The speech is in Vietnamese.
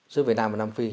giữa việt nam và nam phi